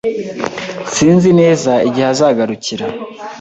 Sinzi neza igihe azagarukira